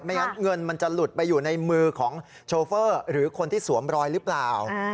งั้นเงินมันจะหลุดไปอยู่ในมือของโชเฟอร์หรือคนที่สวมรอยหรือเปล่า